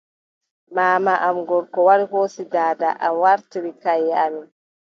Maama am gorko wari hoosi daada am waartiri kayye amin.